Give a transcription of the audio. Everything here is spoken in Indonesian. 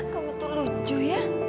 kamu tuh lucu ya